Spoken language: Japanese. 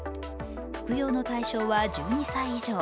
服用の対象は１２歳以上。